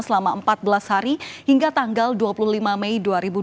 selama empat belas hari hingga tanggal dua puluh lima mei dua ribu dua puluh